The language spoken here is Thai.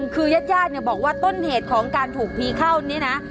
คือญาติญาติบอกว่าต้นเหตุของการถูกผีเข้านี่นะ